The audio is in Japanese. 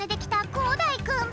こうだいくん。